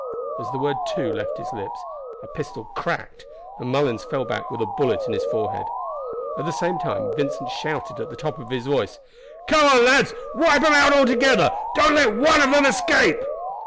As the word "Two" left his lips, a pistol cracked, and Mullens fell back with a bullet in his forehead. At the same time Vincent shouted at the top of his voice, "Come on, lads; wipe 'em out altogether. Don't let one of them escape."